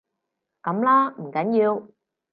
噉啦，唔緊要